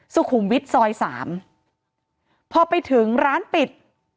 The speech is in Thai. สุขุมวิทย์ซอยสามพอไปถึงร้านปิด